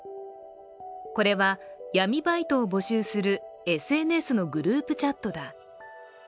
これは闇バイトを募集するＳＮＳのグループチャットだ。